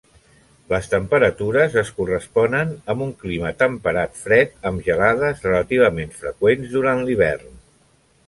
Les temperatures es corresponen amb un clima temperat fred amb gelades relativament freqüents durant l'hivern.